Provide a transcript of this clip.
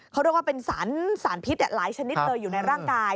เขาเรียกว่าเป็นสารพิษหลายชนิดเลยอยู่ในร่างกาย